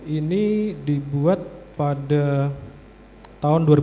ini dibuat pada tahun dua ribu dua puluh satu